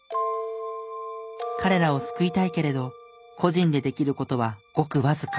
彼らを救いたいけれど個人でできる事はごくわずか。